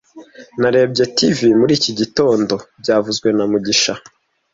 Narebye TV muri iki gitondo byavuzwe na mugisha